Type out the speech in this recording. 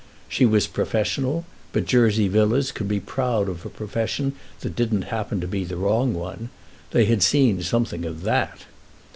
She was professional, but Jersey Villas could be proud of a profession that didn't happen to be the wrong one—they had seen something of that.